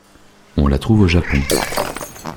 On la trouve au Japon.